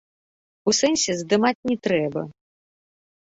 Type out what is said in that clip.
У сэнсе здымаць не трэба.